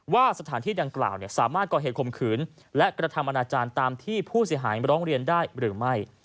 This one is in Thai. ว่าสถานที่ดังกล่าวสามารถก่อเหตุคมขืนและกระทำอนาจารย์ตามที่ผู้เสียหายร้องเรียนได้หรือไม่